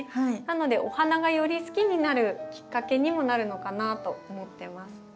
なのでお花がより好きになるきっかけにもなるのかなと思ってます。